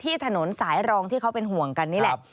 ถนนสายรองที่เขาเป็นห่วงกันนี่แหละ